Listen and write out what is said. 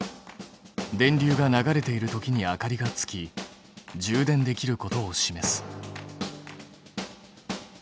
電流が流れているときに明かりがつき充電できることを示す。